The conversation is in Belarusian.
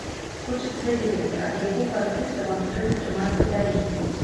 Хочаце даведацца, ад якога артыста вам трэба трымацца далей?